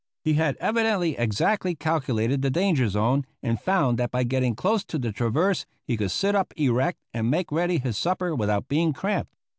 He had evidently exactly calculated the danger zone, and found that by getting close to the traverse he could sit up erect and make ready his supper without being cramped.